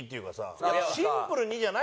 シンプルにじゃないの？